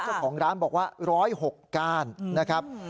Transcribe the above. เจ้าของร้านบอกว่า๑๐๖ก้านนะครับ